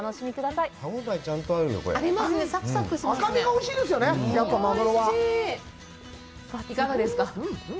いかがですか。